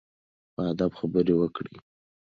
په ادب خبرې وکړئ.